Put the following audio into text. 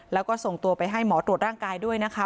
แล้วก็ส่งตัวไปให้หมอตรวจร่างกายด้วยนะคะ